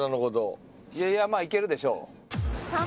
いやいやまあいけるでしょう。